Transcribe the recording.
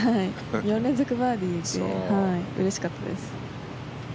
４連続バーディーでうれしかったです。